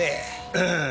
うん。